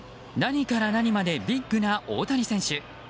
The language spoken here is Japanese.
何から何までビッグな大谷選手。